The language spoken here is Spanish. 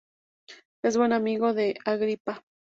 Es buen amigo de Agripa.